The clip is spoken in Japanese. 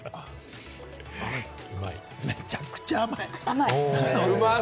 めちゃくちゃ甘い！